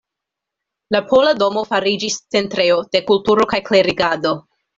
La Pola domo fariĝis centrejo de kulturo kaj klerigado.